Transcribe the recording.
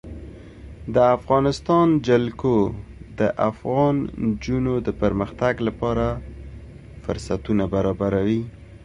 د افغانستان جلکو د افغان نجونو د پرمختګ لپاره فرصتونه برابروي.